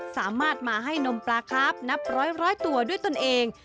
สามารถมาให้นมปลาครับนับร้อยตัวด้วยตนเอง